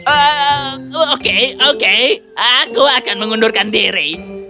oh oke oke aku akan mengundurkan diri